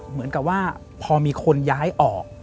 เหมือนกับว่าพอมีคนย้ายออก